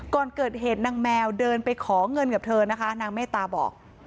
ก่อนเกิดเหตุนางแมวเดินไปขอเงินกับเธอนะคะนางเมตตาบอก